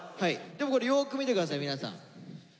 でもこれよく見てください皆さん。